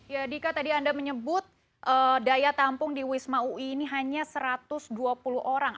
ya dika tadi anda menyebut daya tampung di wisma ui ini hanya satu ratus dua puluh orang